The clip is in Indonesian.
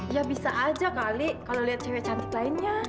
ya bisa aja kali kalau lihat cewek cantik lainnya